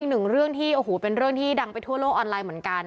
หนึ่งเรื่องที่โอ้โหเป็นเรื่องที่ดังไปทั่วโลกออนไลน์เหมือนกัน